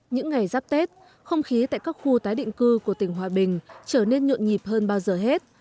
những ngày giáp tết không khí tại các khu tái định cư của tỉnh hòa bình trở nên nhộn nhịp hơn bao giờ hết